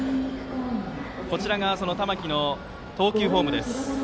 こちらが玉木の投球フォームです。